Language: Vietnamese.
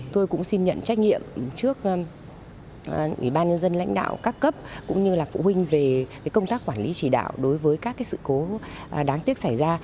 tôi cũng xin nhận trách nhiệm trước ủy ban nhân dân lãnh đạo các cấp cũng như là phụ huynh về công tác quản lý chỉ đạo đối với các sự cố đáng tiếc xảy ra